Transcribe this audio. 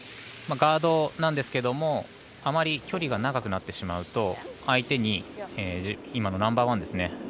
ガードなんですけどあまり距離が長くなってしまうと相手に今のナンバーワンですね